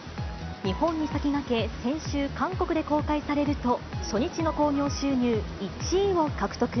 日本に先駆け、先週、韓国で公開されると、初日の興行収入１位を獲得。